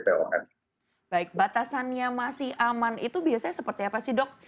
baik batasannya masih aman itu biasanya seperti apa sih dok